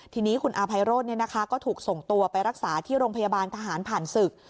ทีนี้คุณอาภัยโรธก็ถูกส่งตัวไปรักษาที่โรงพยาบาลทหารผ่านศึก